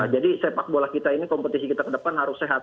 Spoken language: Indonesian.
jadi sepak bola kita ini kompetisi kita ke depan harus sehat